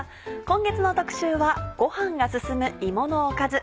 今月の特集は「ごはんがすすむ芋のおかず」。